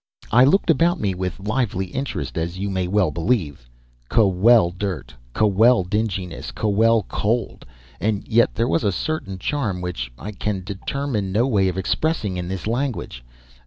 I looked about me with lively interest, as you may well believe. Kwel dirt, kwel dinginess, kwel cold! And yet there was a certain charm which I can determine no way of expressing in this language.